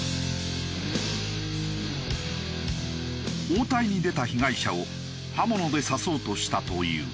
応対に出た被害者を刃物で刺そうとしたという。